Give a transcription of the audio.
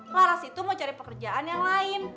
faras itu mau cari pekerjaan yang lain